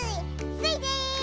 スイです！